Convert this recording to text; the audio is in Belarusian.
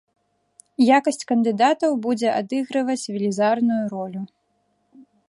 Якасць кандыдатаў будзе адыгрываць велізарную ролю.